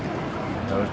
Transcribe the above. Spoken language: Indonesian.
kalau cepat lah memainkan